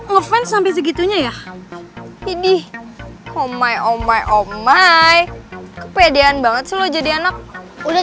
ngefans sampai segitunya ya idih omai omai omai kepedean banget sih lo jadi anak udah